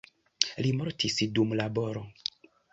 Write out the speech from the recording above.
Li mortis dum laboro.